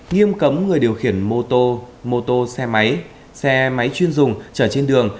nghiêm cấm người điều khiển mô tô mô tô xe máy xe máy chuyên dùng chở trên đường